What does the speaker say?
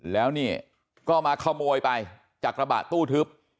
แล้วนี่ก็มาขโมยไปจากกระบะตู้ทึบ